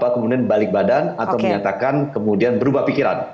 kemudian balik badan atau menyatakan kemudian berubah pikiran